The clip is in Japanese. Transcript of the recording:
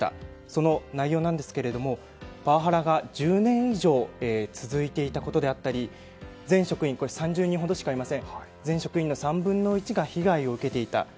その内容ですがパワハラが１０年以上続いていたことであったり全職員３０人ほどしかいませんが全職員の３分１が被害を受けていた。